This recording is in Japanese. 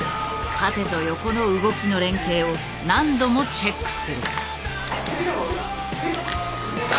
縦と横の動きの連係を何度もチェックする。